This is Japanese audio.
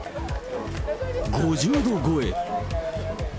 ５０度超え。